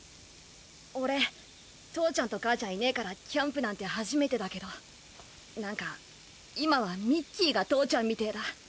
俺父ちゃんと母ちゃんいねえからキャンプなんて初めてだけどなんか今はミッキーが父ちゃんみてえだ。